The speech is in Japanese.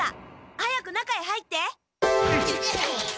早く中へ入って。